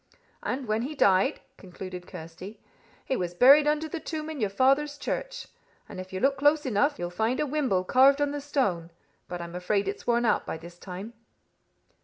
And when he died," concluded Kirsty, "he was buried under the tomb in your father's church. And if you look close enough, you'll find a wimble carved on the stone, but I'm afraid it's worn out by this time."